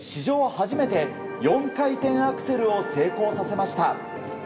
初めて４回転アクセルを成功させました。